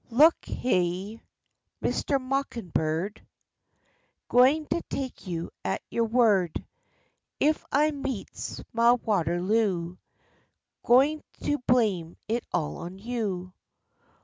Look heah, Mister Mockin' Bird, Gwine to take you at yo' word; If I meets ma Waterloo, Gwine to blame it all on you.